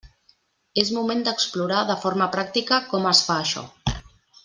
És moment d'explorar de forma pràctica com es fa això.